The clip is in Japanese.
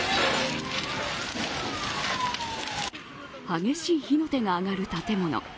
激しい火の手が上がる建物。